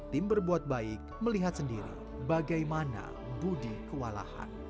tim berbuat baik melihat sendiri bagaimana budi kewalahan